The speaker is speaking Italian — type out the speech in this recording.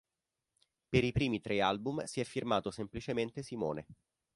Per i primi tre album si è firmato semplicemente Simone.